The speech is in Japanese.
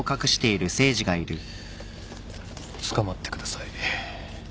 つかまってください。